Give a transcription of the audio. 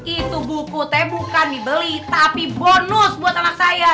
itu buku tapi bukan dibeli tapi bonus buat anak saya